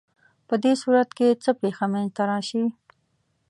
په دې صورت کې څه پېښه منځ ته راشي؟